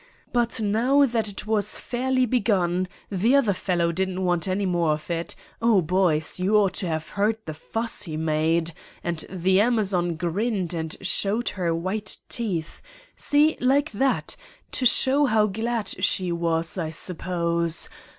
But now that it was fairly begun, the other fellow didn't want any more of it—oh, boys, you ought to have heard the fuss he made! And the Amazon grinned and showed her white teeth—see, like that—to show how glad she was, I suppose.